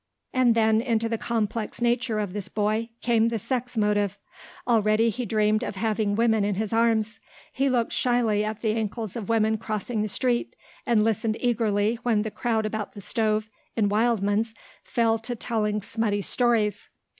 And then into the complex nature of this boy came the sex motive. Already he dreamed of having women in his arms. He looked shyly at the ankles of women crossing the street, and listened eagerly when the crowd about the stove in Wildman's fell to telling smutty stories.